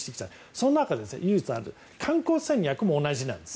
その中で観光戦略も同じなんです。